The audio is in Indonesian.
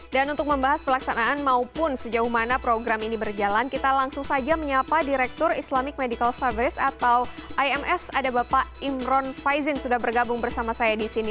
dan untuk membahas pelaksanaan maupun sejauh mana program ini berjalan kita langsung saja menyapa direktur islamic medical service atau ims ada bapak imron faizin sudah bergabung bersama saya di sini